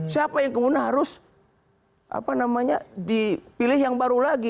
siapa yang kemudian harus dipilih yang baru lagi